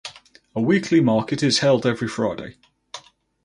A weekly market is held every Friday.